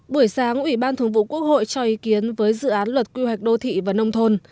buổi sáng ủy ban thường vụ quốc hội cho ý kiến với dự án luật quy hoạch đô thị và nông thôn